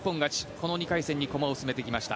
この２回戦に駒を進めてきました。